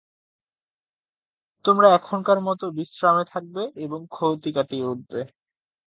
তোমরা এখনকার মতো বিশ্রামে থাকবে এবং ক্ষতি কাটিয়ে উঠবে।